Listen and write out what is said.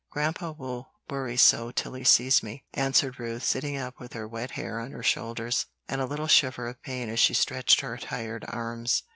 Grandpa will worry so till he sees me," answered Ruth, sitting up with her wet hair on her shoulders, and a little shiver of pain as she stretched her tired arms.